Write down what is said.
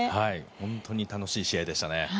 本当に楽しい試合でしたね。